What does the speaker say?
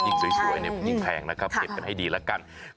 ยิ่งสวยอันนี้ยิ่งแพงนะครับเก็บกันให้ดีละกัน